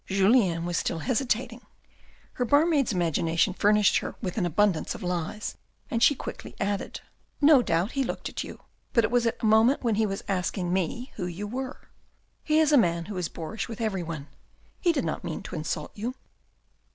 Julien was still hesitating. Her barmaid's imagination furnished her with an abundance of lies, and she quickly added. " No doubt he looked at you, but it was at a moment when he was asking me who you were. He is a man who is boorish with everyone. He did not mean to insult you."